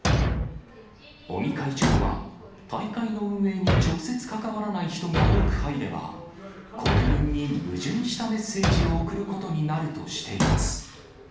尾身会長は、大会の運営に直接関わらない人が多く入れば、国民に矛盾したメッセージを送ることになるとしています。